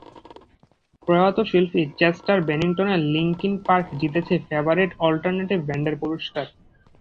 প্রয়াত শিল্পী চেস্টার বেনিংটনের লিংকিন পার্ক জিতেছে ফেভারিট অল্টারনেটিভ ব্যান্ডের পুরস্কার।